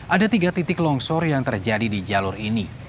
ada tiga titik longsor yang terjadi di jalur ini